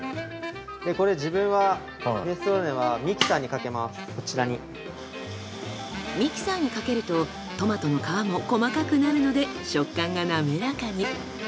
これ自分はミキサーにかけるとトマトの皮も細かくなるので食感が滑らかに。